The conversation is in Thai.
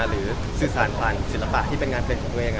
หรือสื่อสารผ่านศิลปะที่เป็นงานเป็นของตัวเอง